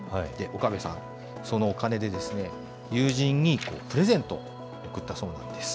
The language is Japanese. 岡部さん、そのお金で、友人にプレゼントを贈ったそうなんです。